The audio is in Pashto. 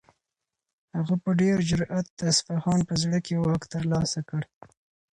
هغه په ډېر جرئت د اصفهان په زړه کې واک ترلاسه کړ.